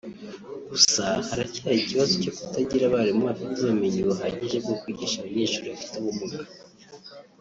Gusa ngo haracyari ikibazo cyo kutagira abarimu bafite ubumenyi buhagije bwo kwigisha abanyeshuri bafite ubumuga